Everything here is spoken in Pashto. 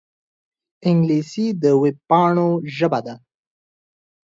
انګلیسي د وېبپاڼو ژبه ده